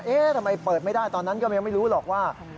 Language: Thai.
ทำไมเปิดไม่ได้ตอนนั้นก็ยังไม่รู้หรอกว่า